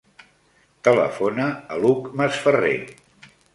Telefona a l'Hug Masferrer.